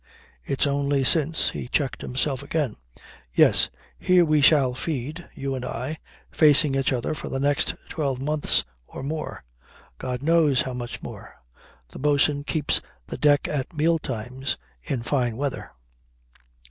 It's only since " He checked himself again. "Yes. Here we shall feed, you and I, facing each other for the next twelve months or more God knows how much more! The bo'sun keeps the deck at meal times in fine weather."